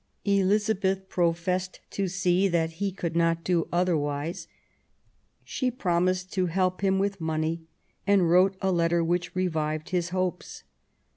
Elizabeth professed to see that he could not do otherwise; she promised to help him with money, and wrote a letter which revived his hopes.